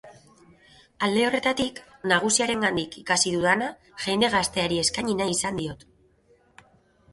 Alde horretatik, nagusiengandik ikasi dudana jende gazteari eskaini nahi izan diot.